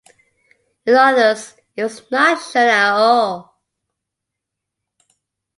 In others, it was not shown at all.